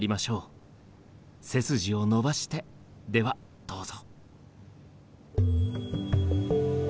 背筋を伸ばしてではどうぞ。